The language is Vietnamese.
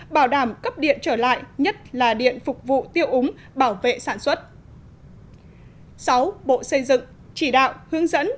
năm bộ công thương